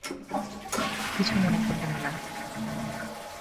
কিছু মনে করবেন না।